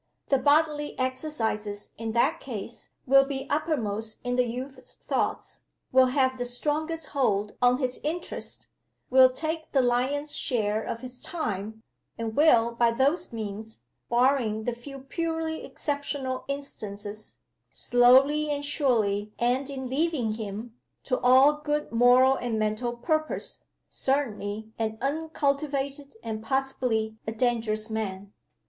The bodily exercises, in that case, will be uppermost in the youth's thoughts, will have the strongest hold on his interest, will take the lion's share of his time, and will, by those means barring the few purely exceptional instances slowly and surely end in leaving him, to all good moral and mental purpose, certainly an uncultivated, and, possibly, a dangerous man."